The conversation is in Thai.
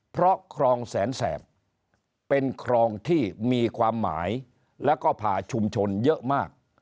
เพราะคลองแสนแสบเป็นคลองที่มีความหมายแล้วก็ผ่าชุมชนเยอะมาก